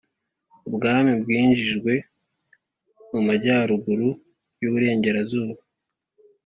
ubwami bwinjijwe mu majyaruguru y' uburengerazuba.